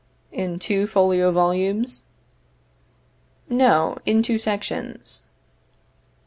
In two folio volumes? No, in two sections.